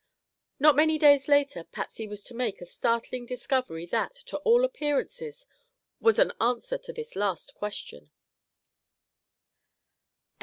Not many days later Patsy was to make a startling discovery that, to all appearances, was an answer to this last question.